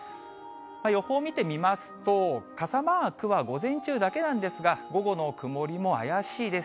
予報見てみますと、傘マークは午前中だけなんですが、午後の曇りも怪しいです。